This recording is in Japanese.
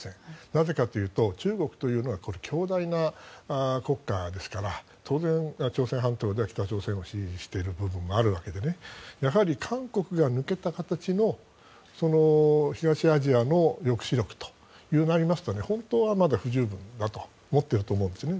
なぜかというと中国というのは強大な国家ですから当然、朝鮮半島北朝鮮を支持している部分があって、韓国が抜けた形の東アジアの抑止力となりますと本当はまだ不十分だと思っていると思うんですよね。